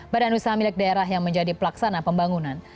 badan usaha milik daerah yang menjadi pelaksana pembangunan